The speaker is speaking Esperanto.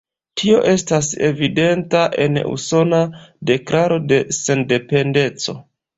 Tio estas evidenta en "Usona Deklaro de Sendependeco".